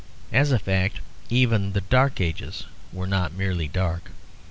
As a fact, even the Dark Ages were not merely dark.